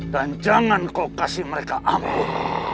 dan jangan kau kasih mereka ampun